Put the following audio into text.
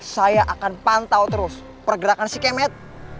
saya akan pantau terus pergerakan si kemet